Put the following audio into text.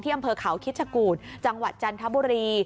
อำเภอเขาคิดชะกูดจังหวัดจันทบุรี